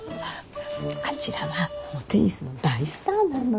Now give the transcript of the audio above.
あちらはテニスの大スターなのよ。